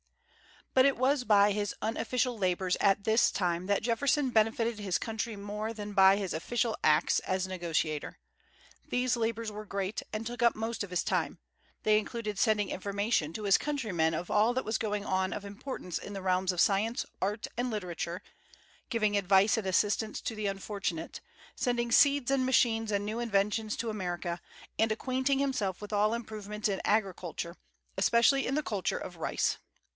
But it was by his unofficial labors at this time that Jefferson benefited his country more than by his official acts as a negotiator. These labors were great, and took up most of his time; they included sending information to his countrymen of all that was going on of importance in the realms of science, art, and literature, giving advice and assistance to the unfortunate, sending seeds and machines and new inventions to America, and acquainting himself with all improvements in agriculture, especially in the culture of rice.